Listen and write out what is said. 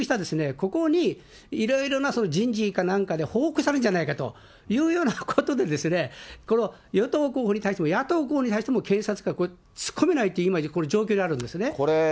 ここにいろいろな、人事かなんかで報復されるんじゃないかというようなことで、この与党候補に対しても、野党候補に対しても、検察が突っ込めないという、今、状況にあるんですね。